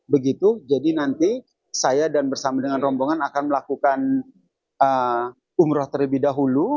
begitu jadi nanti saya dan bersama dengan rombongan akan melakukan umroh terlebih dahulu